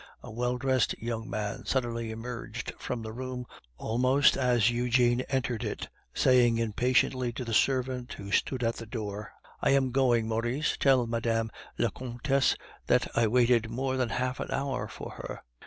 A well dressed young man suddenly emerged from the room almost as Eugene entered it, saying impatiently to the servant who stood at the door: "I am going, Maurice. Tell Madame la Comtesse that I waited more than half an hour for her."